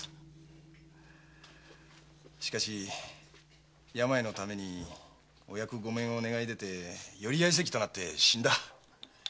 しかし病のために御役御免を願い出て寄合席となり死んだ。